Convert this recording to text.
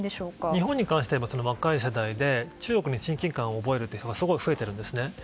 日本に関しては若い世代で中国に親近感を覚えている人がすごい増えているんですね。